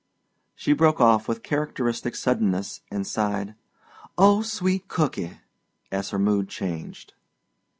She broke of with characteristic suddenness and sighed, "Oh, sweet cooky!" as her mood changed.